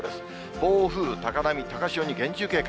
暴風、高波、高潮に厳重警戒。